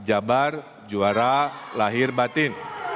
jabar juara lahir batin